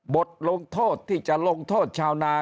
บทลงโทษที่จะลงโทษชาวนา